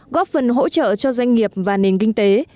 góp phần hỗ trợ cho doanh nghiệp và nền kinh tế